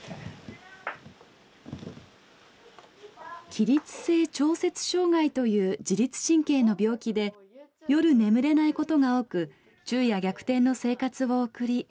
起立性調節障害という自律神経の病気で夜眠れないことが多く昼夜逆転の生活を送り不登校に。